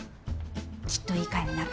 きっといい会になる。